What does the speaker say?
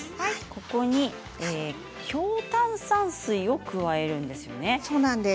ここに強炭酸水を加えていくんですよね。